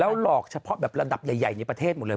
แล้วบอกเฉพาะแบบระดับใหญ่ในประเทศหมดเลย